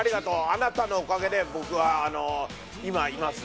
あなたのおかげで僕は今います。